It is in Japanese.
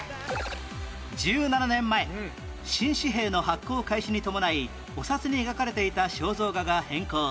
１７年前新紙幣の発行開始に伴いお札に描かれていた肖像画が変更